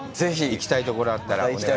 行きたいところがあったら。